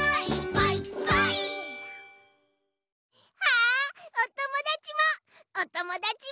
あおともだちもおともだちもだぐ！